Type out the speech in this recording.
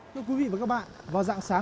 thưa quý vị và các bạn vào dạng sáng